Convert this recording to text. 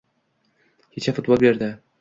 Kecha futbol berdi